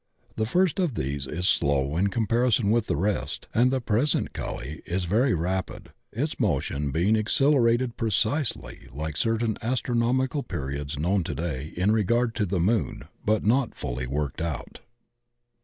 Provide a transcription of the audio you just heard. The first of these is slow in comparison with the rest, and the present — Kali — is very rapid, its mo tion being accelerated precisely like certain astronom ical periods known to day in regard to the Moon, but not fully worked out.